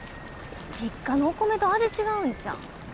実家のお米と味違うんちゃう？